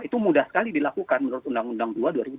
itu mudah sekali dilakukan menurut undang undang dua dua ribu dua